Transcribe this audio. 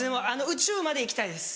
宇宙まで行きたいです。